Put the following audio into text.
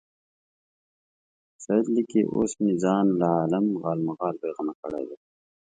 سید لیکي اوس مې ځان له عالم غالمغال بېغمه کړی دی.